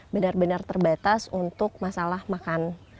benar benar terbatas untuk masalah makan